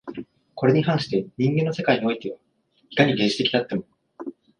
これに反して人間の世界においては、いかに原始的であっても